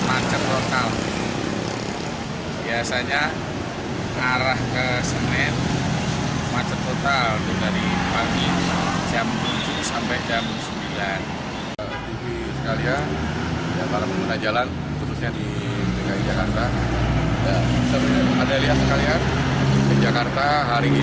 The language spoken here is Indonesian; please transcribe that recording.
ada yang lihat sekalian di jakarta hari ini